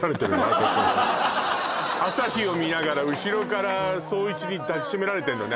私朝日を見ながら後ろから聡一に抱きしめられてんのね